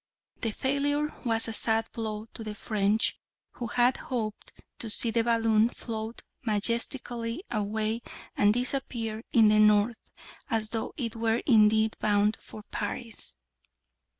The failure was a sad blow to the French, who had hoped to see the balloon float majestically away and disappear in the north, as though it were indeed bound for Paris.